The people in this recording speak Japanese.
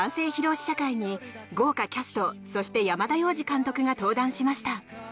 試写会に豪華キャスト、そして山田洋次監督が登壇しました。